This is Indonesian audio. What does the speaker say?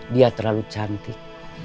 dia terlalu cantik